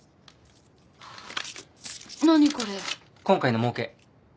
今回のもうけ。